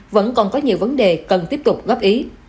vẫn còn có nhiều vấn đề cần tiếp tục góp ý